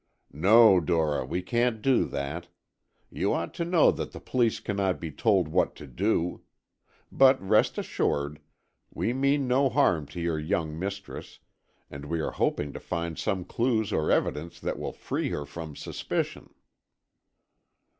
"No, Dora, we can't do that. You ought to know that the police cannot be told what to do. But rest assured, we mean no harm to your young mistress, and we are hoping to find some clues or evidence that will free her from suspicion."